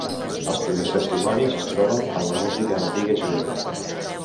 Els primers testimonis es troben en la música antiga jueva.